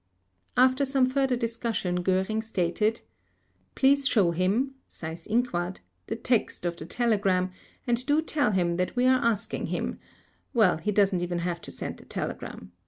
After some further discussion, Göring stated: "Please show him (Seyss Inquart) the text of the telegram and do tell him that we are asking him—well, he doesn't even have to send the telegram.